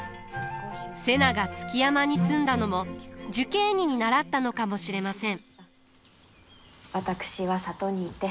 瀬名が築山に住んだのも寿桂尼に倣ったのかもしれません。